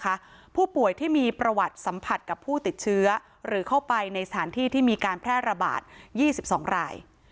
ผู้ป่วยที่มีประวัติสัมผัสกับผู้ติดเชื้อหรือเข้าไปในสถานที่ที่มีการแพร่ระบาด๒๒ราย